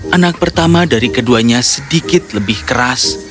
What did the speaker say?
anak pertama dari keduanya sedikit lebih keras